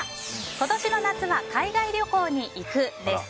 今年の夏は海外旅行に行くです。